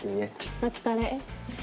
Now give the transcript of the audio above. お疲れ。